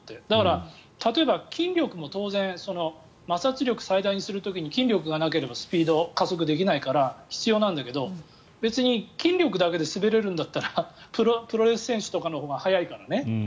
だから例えば、筋力も当然摩擦力を最大にする時に筋力がないとスピード、加速できないから必要なんだけど筋力だけで滑れるんだったらプロレス選手とかのほうが速いからね。